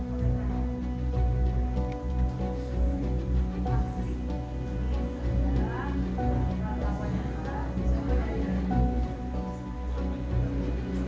padahal saya nampak sendiri karena saya pun masyarakat di situ